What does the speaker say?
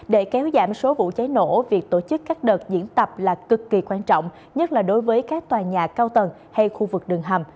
để kéo giảm số vụ cháy nổ việc tổ chức các đợt diễn tập là cực kỳ quan trọng nhất là đối với các tòa nhà cao tầng hay khu vực đường hầm